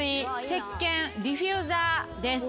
せっけんディフューザーです。